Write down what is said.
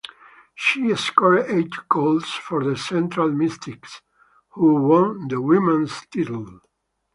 She scored eight goals for the Central Mysticks, who won the women's title.